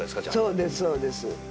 そうです、そうです。